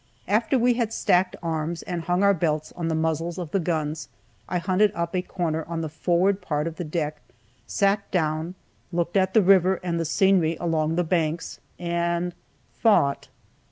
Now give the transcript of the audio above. After we had stacked arms, and hung our belts on the muzzles of the guns, I hunted up a corner on the forward part of the deck, sat down, looked at the river and the scenery along the banks, and thought.